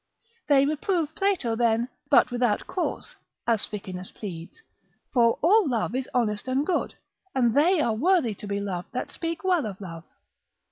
They reprove Plato then, but without cause (as Ficinus pleads) for all love is honest and good, and they are worthy to be loved that speak well of love.